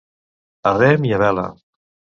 A rem i a vela.